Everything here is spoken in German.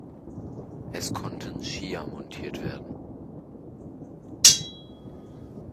Es konnten Skier montiert werden.